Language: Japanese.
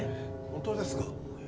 本当ですか？